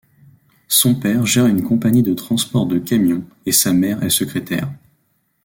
Son père gère une compagnie de transports de camions et sa mère est secrétaire.